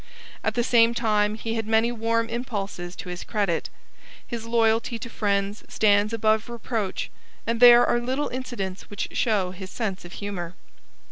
At the same time, he had many warm impulses to his credit. His loyalty to friends stands above reproach, and there are little incidents which show his sense of humour.